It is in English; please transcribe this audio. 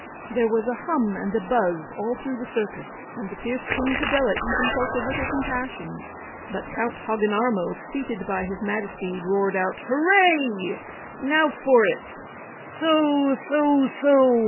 There was a hum and a buzz all through the circus, and the fierce King Padella even felt a little compassion. But Count Hogginarmo, seated by His Majesty, roared out 'Hurray! Now for it! Soo soo soo!